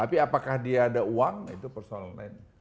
tapi apakah dia ada uang itu persoalan lain